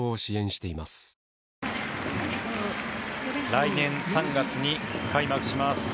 来年３月に開幕します